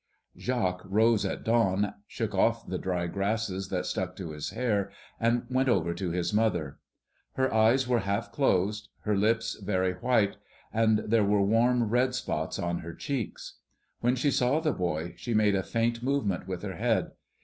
Jacques rose at dawn, shook off the dry grasses that stuck to his hair, and went over to his mother. Her eyes were half closed, her lips very white, and there were warm red spots on her cheeks. When she saw the boy, she made a faint movement with her head.